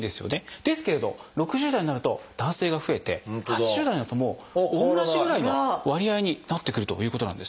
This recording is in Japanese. ですけれど６０代になると男性が増えて８０代になると同じぐらいの割合になってくるということなんです。